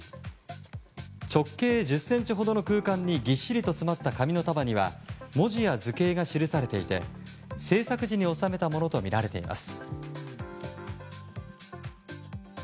直径１０ｃｍほどの空間にぎっしりと詰まった紙の束には文字や図形が記されていて制作時に納めたものとみられています。